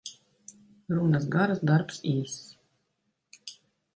Runas garas, darbs īss.